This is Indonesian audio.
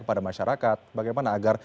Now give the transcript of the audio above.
kepada masyarakat bagaimana agar